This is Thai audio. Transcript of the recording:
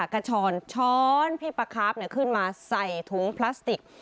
กระชอนช้อนพี่ปลาคาร์ฟขึ้นมาใส่ถุงพลาสติก